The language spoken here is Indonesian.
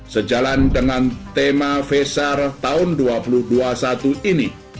sejalan dengan tema fessar tahun dua ribu dua puluh satu ini